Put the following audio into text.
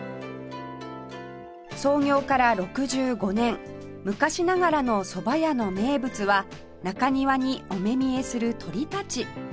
創業から６５年昔ながらのそば屋の名物は中庭にお目見えする鳥たち